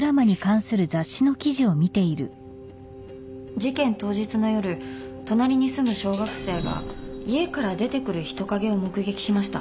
事件当日の夜隣に住む小学生が家から出てくる人影を目撃しました。